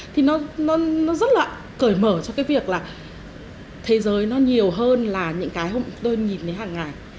thì nó rất là cởi mở cho cái việc là thế giới nó nhiều hơn là những cái tôi nhìn đấy hằng ngày